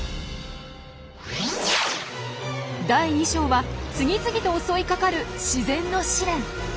第２章は次々と襲いかかる自然の試練。